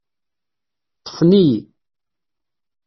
Ṭṭfen-iyi.